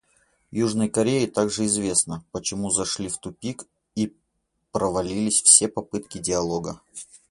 Южной Корее также известно, почему зашли в тупик и провалились все попытки диалога.